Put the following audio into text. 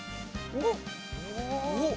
おっ！